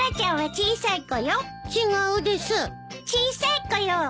小さい子。